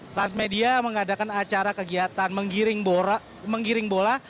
transmedia mengadakan acara kegiatan menggiring bola